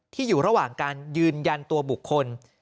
อยู่ระหว่างการยืนยันตัวบุคคล